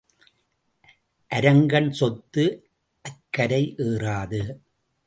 அரங்கன் சொத்து அக்கரை ஏறாது.